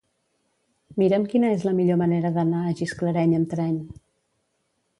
Mira'm quina és la millor manera d'anar a Gisclareny amb tren.